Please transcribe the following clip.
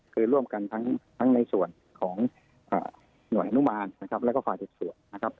คือร่วมกันทั้งในส่วนของหน่วยอนุมานนะครับแล้วก็ฝ่ายสืบสวนนะครับ